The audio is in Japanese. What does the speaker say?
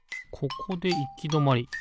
ここでいきどまり。